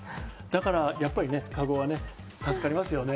だからやっぱりかごはね、助かりますよね。